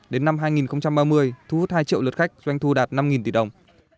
đến năm hai nghìn ba mươi thu hút hai triệu lượt khách doanh thu đạt năm tỷ đồng